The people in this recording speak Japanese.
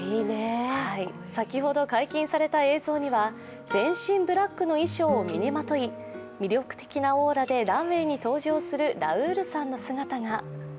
先ほど解禁された映像には全身ブラックの衣装を身にまとい魅力的なオーラでランウェイに登場するラウールさんの姿が。